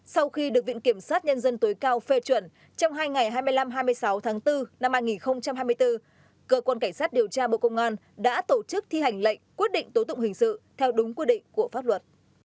sau khi được viện kiểm sát nhân dân tối cao phê chuẩn trong hai ngày hai mươi năm hai mươi sáu tháng bốn năm hai nghìn hai mươi bốn cơ quan cảnh sát điều tra bộ công an đã tổ chức thi hành lệnh quyết định tố tụng hình sự theo đúng quy định của pháp luật